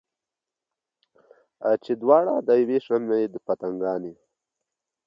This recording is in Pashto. چې دواړه د یوې شمعې پتنګان یو.